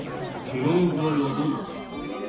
怪我の具合はどうなのだ？